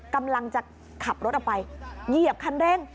กำลังจะขับรถออกไปเหยียบคันเร่ง